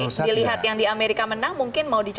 kalau dilihat yang di amerika menang mungkin mau dicoba